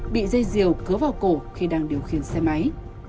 bị dây diều cứa vào cổ khi đang điều khiển xe máy